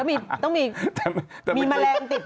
แล้วต้องมีมะแรงติดผม